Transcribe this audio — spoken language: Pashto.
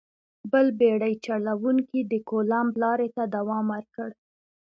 بل بېړۍ چلوونکي د کولمب لارې ته دوام ورکړ.